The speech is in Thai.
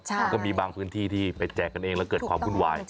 มันก็มีบางพื้นที่ที่ไปแจกกันเองแล้วเกิดความวุ่นวาย